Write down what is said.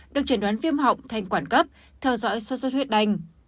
được chẩn đoán viêm họng thanh quản cấp theo dõi so sốt huyết đành